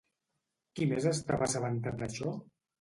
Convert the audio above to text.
Qui més estava assabentat d'això?